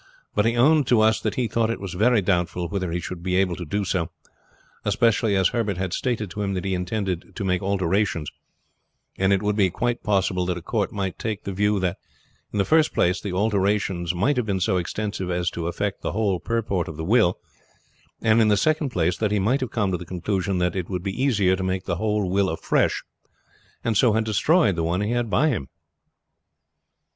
But he owned to us that he thought it was very doubtful whether he should be able to do so, especially as Herbert had stated to him that he intended to make alterations; and it would be quite possible that a court might take the view that in the first place the alterations might have been so extensive as to affect the whole purport of the will, and in the second place that he might have come to the conclusion that it would be easier to make the whole will afresh, and so had destroyed the one he had by him."